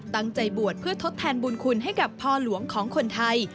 ตั้งใจบวชเพื่อทดแทนบุญคุณให้กับพ่อหลวงของคนไทย